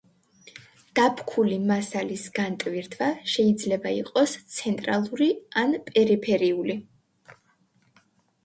დაფქული მასალის განტვირთვა შეიძლება იყოს ცენტრალური ან პერიფერიული.